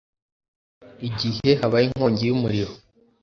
igihe habaye inkongi y’umuriro